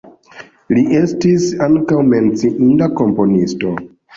Li estis ankaŭ menciinda komponisto.